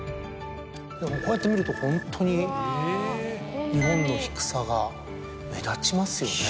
こうやって見るとホントに日本の低さが目立ちますよね。